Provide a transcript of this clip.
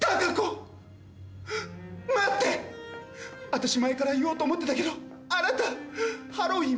私前から言おうと思ってたけどあなたハロウィーン